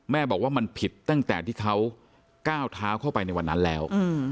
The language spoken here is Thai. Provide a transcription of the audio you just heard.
บอกว่ามันผิดตั้งแต่ที่เขาก้าวเท้าเข้าไปในวันนั้นแล้ว